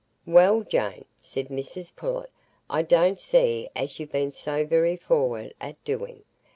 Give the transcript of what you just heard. "Well, Jane," said Mrs Pullet, "I don't see as you've been so very forrard at doing.